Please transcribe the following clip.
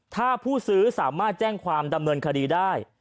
ถ้าผู้ซื้อสามารถแจ้งความดำเนินคดีได้